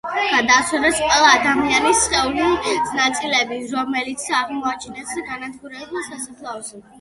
გადაასვენეს ყველა ადამიანის სხეულის ნაწილები, რომელიც აღმოაჩინეს განადგურებულ სასაფლაოზე.